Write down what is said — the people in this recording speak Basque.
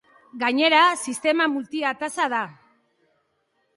Gainera, sistema multiataza da.